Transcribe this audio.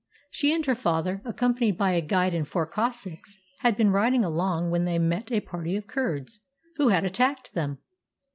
She and her father, accompanied by a guide and four Cossacks, had been riding along when they met a party of Kurds, who had attacked them.